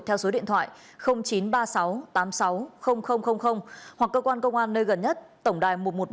theo số điện thoại chín trăm ba mươi sáu tám mươi sáu hoặc cơ quan công an nơi gần nhất tổng đài một trăm một mươi ba